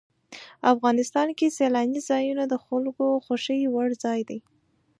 افغانستان کې سیلاني ځایونه د خلکو خوښې وړ ځای دی.